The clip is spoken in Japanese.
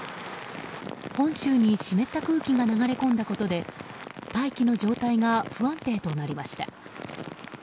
本州に湿った空気が流れ込んだことで大気の状態が不安定となりました。